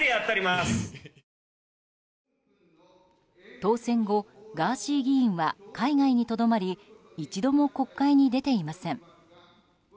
当選後、ガーシー議員は海外にとどまり一度も国会に出ていません。